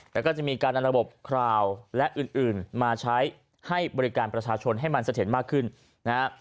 แล้วก็จะมีการนำระบบคราวและอื่นมาใช้ให้บริการประชาชนให้มันเสถียรมากขึ้นนะฮะ